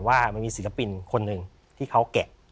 ว่ามันมีศิลปินคนหนึ่งที่เขาแกะ